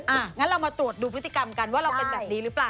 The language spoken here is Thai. งั้นเรามาตรวจดูพฤติกรรมกันว่าเราเป็นแบบนี้หรือเปล่า